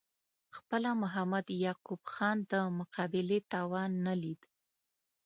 خپله محمد یعقوب خان د مقابلې توان نه لید.